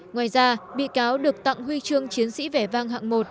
ngoài ra bị cáo được tặng huy chương chiến sĩ vẻ vang hạng một